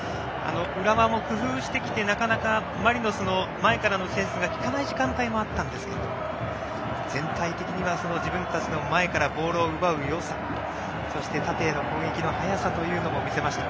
浦和も工夫してきてなかなかマリノスの前からの前からのディフェンスが効かない時間帯もあったんですが全体的には自分たちの前からボールを奪うよさ縦への攻撃の速さというのもありました。